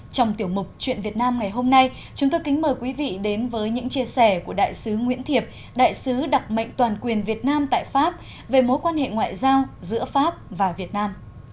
trong tiểu mục chuyện việt nam ngày hôm nay chúng tôi kính mời quý vị đến với những chia sẻ của đại sứ nguyễn thiệp đại sứ đặc mệnh toàn quyền việt nam tại pháp về mối quan hệ ngoại giao giữa pháp và việt nam